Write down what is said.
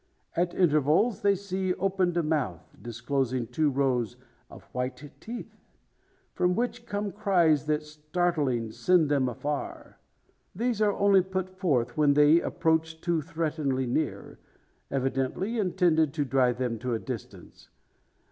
At intervals they see opened a mouth, disclosing two rows of white teeth; from which come cries that, startling, send them afar. These are only put forth, when they approach too threateningly near evidently intended to drive them to a distance.